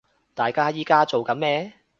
大家依家做緊咩